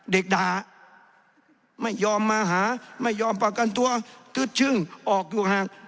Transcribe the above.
ด่าไม่ยอมมาหาไม่ยอมประกันตัวทึดชึ่งออกอยู่ห่าง